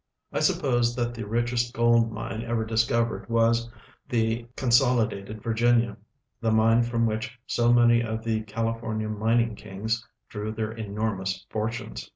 I suppose that the richest gold mine ever discovered Avas the Consolidated ^hrginia, the mine from which so many of the Cali fornia mining kings drcAV their enormous fortunes.